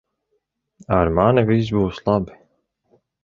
Ar mani viss būs labi.